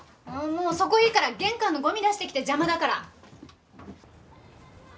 あもうそこいいから玄関のゴミ出してきて邪魔だから。